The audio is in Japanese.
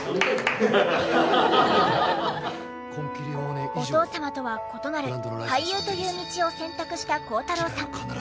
お父様とは異なる俳優という道を選択した孝太郎さん。